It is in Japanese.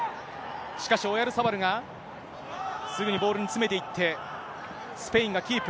しかし、オヤルサバルがすぐにボールに詰めていって、スペインがキープ。